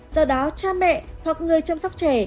do đó cha mẹ hoặc người chăm sóc trẻ